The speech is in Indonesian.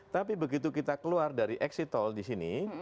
tapi begitu kita keluar dari exit tol disini